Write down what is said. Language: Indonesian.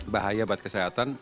bahaya buat kesehatan